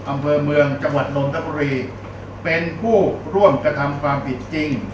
อำเภอเมืองจังหวัดนนทบุรีเป็นผู้ร่วมกระทำความผิดจริง